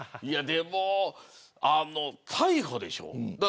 でも、逮捕でしょ。